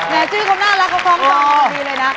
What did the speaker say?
แหน้วชื่อเค้าอ่ารักเค้าของขนาวทีเลยนะ